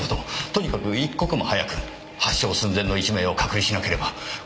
とにかく一刻も早く発症寸前の１名を隔離しなければ今度こそ本当に。